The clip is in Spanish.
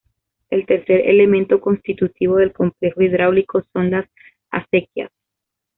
El tercer elemento constitutivo del complejo hidráulico son las acequias.